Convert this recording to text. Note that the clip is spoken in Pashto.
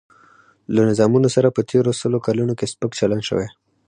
له نظامونو سره په تېرو سلو کلونو کې سپک چلن شوی.